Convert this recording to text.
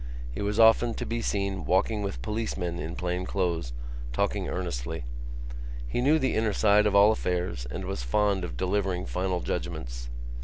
He was often to be seen walking with policemen in plain clothes, talking earnestly. He knew the inner side of all affairs and was fond of delivering final judgments.